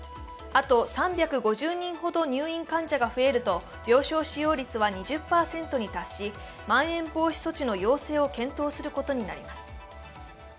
あと３５０人ほど入院患者が増えると病床使用率は２０％に達しまん延防止措置の要請を検討することになります。